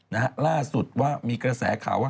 นะฮะล่าสุดว่ามีกระแสข่าวว่า